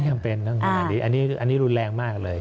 ไม่ต้องเป็นสารเคมีขนาดนี้อันนี้รุนแรงมากเลย